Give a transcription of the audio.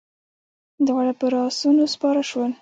دواړه پر آسونو سپاره شول.